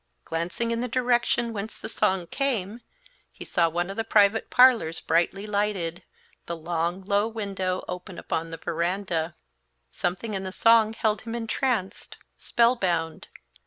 Glancing in the direction whence the song came, he saw one of the private parlors brightly lighted, the long, low window open upon the veranda. Something in the song held him entranced, spell bound.